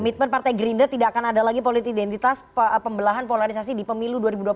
komitmen partai gerindra tidak akan ada lagi politik identitas pembelahan polarisasi di pemilu dua ribu dua puluh empat